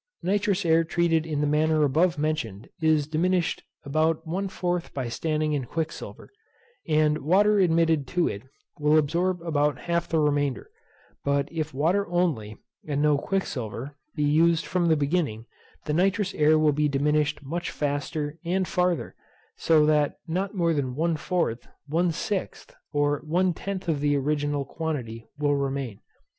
Nitrous air treated in the manner above mentioned is diminished about one fourth by standing in quicksilver; and water admitted to it will absorb about half the remainder; but if water only, and no quicksilver, be used from the beginning, the nitrous air will be diminished much faster and farther; so that not more than one fourth, one sixth, or one tenth of the original quantity will remain.